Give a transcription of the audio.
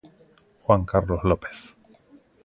Juan Carlos López.